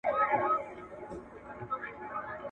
سرومال به مو تر مېني قرباني کړه!